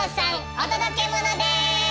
お届けモノです！